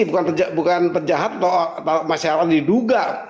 bukan penjahat atau masyarakat diduga